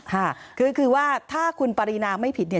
ค่ะคือคือว่าถ้าคุณปรินาไม่ผิดเนี่ย